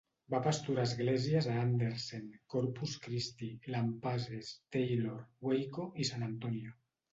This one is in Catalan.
Va pasturar esglésies a Anderson, Corpus Christi, Lampasas, Taylor, Waco i San Antonio.